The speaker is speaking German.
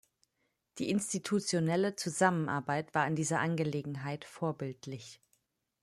Die institutionelle Zusammenarbeit war in dieser Angelegenheit vorbildlich.